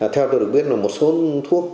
theo tôi được biết là một số thuốc